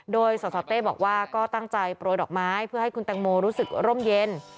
โดยสสเต้บอกว่าก็ตั้งใจโปรยดอกไม้เพื่อให้คุณแตงโมรู้สึกร่มเย็น